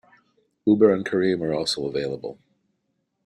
Uber and Careem are also available.